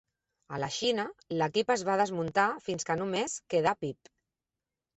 A la Xina, l'equip es va desmuntant fins que només queda Pip.